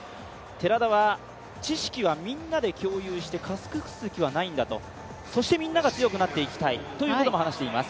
寺田は知識はみんなで共有して、隠す気はないんだと、そしてみんなが強くなっていきたいということも話しています。